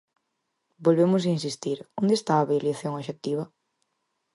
Volvemos insistir: ¿onde está a avaliación obxectiva?